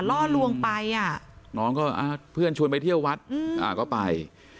ล่อลวงไปอ่ะน้องก็เพื่อนชวนไปเที่ยววัดก็ไป